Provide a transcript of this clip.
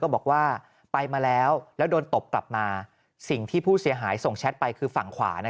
บอกว่าไปมาแล้วแล้วโดนตบกลับมาสิ่งที่ผู้เสียหายส่งแชทไปคือฝั่งขวานะ